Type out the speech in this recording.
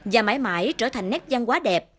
và mãi mãi trở thành nét văn hóa đẹp